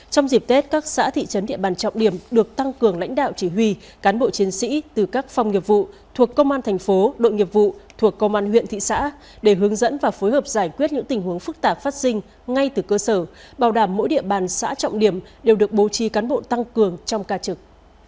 trong dịp tết các xã thị trấn địa bàn trọng điểm được tăng cường lãnh đạo chỉ huy cán bộ chiến sĩ từ các phòng nghiệp vụ thuộc công an thành phố đội nghiệp vụ thuộc công an huyện thị xã để hướng dẫn và phối hợp giải quyết những tình huống phức tạp phát sinh ngay từ cơ sở bảo đảm mỗi địa bàn xã trọng điểm đều được bố trí cán bộ tăng cường trong ca trực